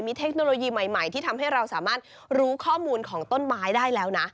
เทคโนโลยีใหม่ที่ทำให้เราสามารถรู้ข้อมูลของต้นไม้ได้แล้วนะ